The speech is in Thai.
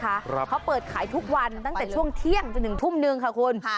ครับเขาเปิดขายทุกวันตั้งแต่ช่วงเที่ยงจนถึงทุ่มหนึ่งค่ะคุณค่ะ